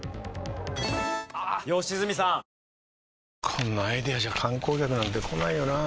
こんなアイデアじゃ観光客なんて来ないよなあ